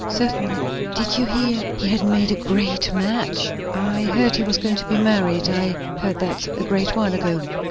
"Certainly." "Did you hear he had made a great match?" "I heard he was going to be married. I heard that a great while ago."